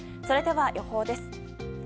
それでは予報です。